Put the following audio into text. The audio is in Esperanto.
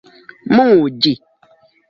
muĝi